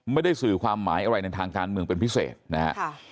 ไม่ได้สื่อความหมายอะไรในทางการเมืองเป็นพิเศษนะฮะ